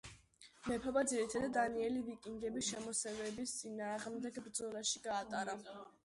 მეფობა ძირითადად დანიელი ვიკინგების შემოსევების წინააღმდეგ ბრძოლაში გაატარა.